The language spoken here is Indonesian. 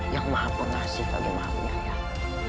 yang maha pengasih lagi maha penyayang